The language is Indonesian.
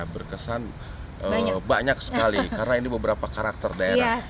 berkesan banyak sekali karena ini beberapa karakter daerah